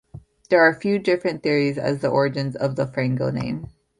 There are a few different theories as to the origins of the Frango name.